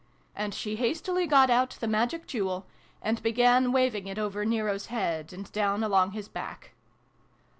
And she hastily got out the Magic Jewel, and began waving it over Nero's head, and down along his back.